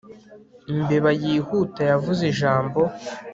Imbeba yihuta yavuze ijambo